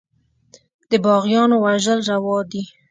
د باغيانو وژل روا دي.